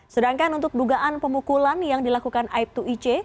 sedangkan untuk dugaan pemukulan yang dilakukan aip dua ic